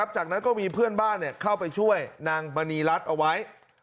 จากนั้นก็มีเพื่อนบ้านเข้าไปช่วยนางมณีรัฐเอาไว้